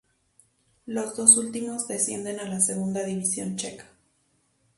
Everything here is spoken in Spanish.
Los dos últimos descienden a la segunda división checa.